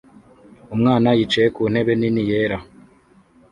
Umwana yicaye ku ntebe nini yera